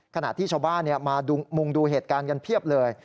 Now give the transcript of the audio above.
ขณะที่ชาวบ้านมามุงดูเหตุการณ์กันเพียบเลย